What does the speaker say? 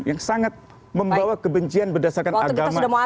yang sangat membawa kebencian berdasarkan agama